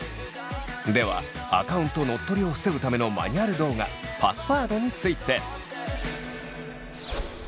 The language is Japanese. ではアカウントのっとりを防ぐためのマニュアル動画パスワードについて！